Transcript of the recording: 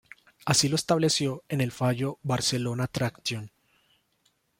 Así lo estableció en el fallo Barcelona traction.